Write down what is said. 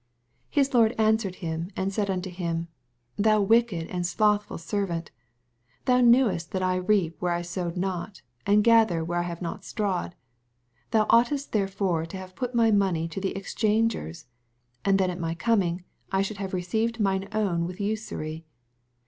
26 His lorcl answered and said unto him, 77um wicked and slothful ser> vant, thou knewest that I reap where I sowed not, and gather where I have not strawed : 27 Thou oughtest therefore to have put my money to the exchuigers, and then at my coming I should have re ceived mine own with usurv.